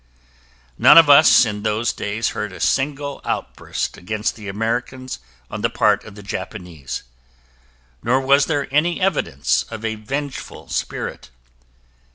None of us in those days heard a single outburst against the Americans on the part of the Japanese, nor was there any evidence of a vengeful spirit.